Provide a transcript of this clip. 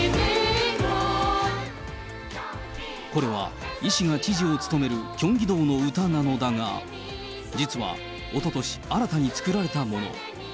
これはイ氏が知事を務めるキョンギ道の歌なのだが、実はおととし、新たに作られたもの。